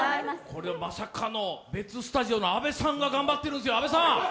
これまさかの別スタジオの阿部さんが頑張ってるんですよ。